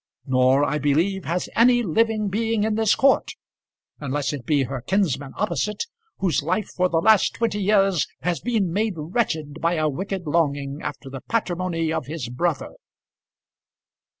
Nor, I believe, has any living being in this court, unless it be her kinsman opposite, whose life for the last twenty years has been made wretched by a wicked longing after the patrimony of his brother.